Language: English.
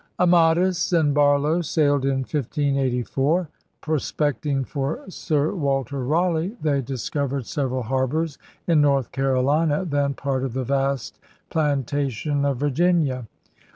Amadas and Barlow sailed in 1584. Pros pecting for Sir Walter Raleigh, they discovered several harbors in North Carolina, then part of the vast 'plantation' of Virginia.